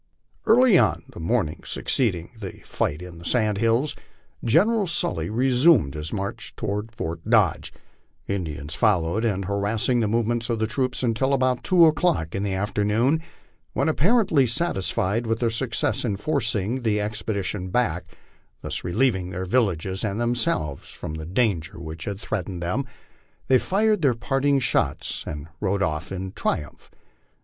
Early on the morning succeeding the fight in the sand hills General Sully resumed his march toward Fort Dodge, the Indians following and harassing the movements of the troops until about two o'clock in the afternoon, when, apparently satisfied with their success in forcing the expedition back, thus re lieving their villages and themselves from the danger which had threatened them, they fired their parting shots and rode off in triumph.